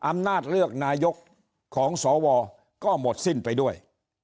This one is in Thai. อำนาจเลือกนายกของสวก็หมดสิ้นไปด้วย